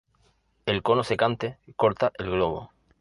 El cono secante corta el globo.